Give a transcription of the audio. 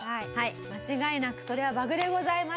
「間違いなくそれはバグでございます